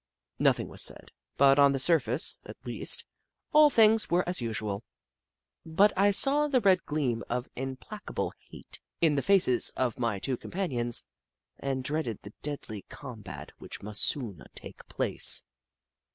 Nothing was said, and on the surface, at least, all things were as usual, but I saw the red gleam of implacable hate in the faces of 50 The Book of Clever Beasts my two companions, and dreaded the deadly combat which must soon take place.